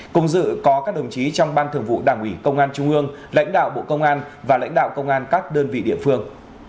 cùng dự có các đồng chí trong ban thường vụ đảng ủy công an trung ương lãnh đạo bộ công an và lãnh đạo công an các đơn vị địa phương